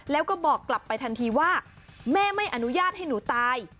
แล้วก็บอกกลับไปทันทีว่าแม่ไม่อนุญาตให้หนูตาย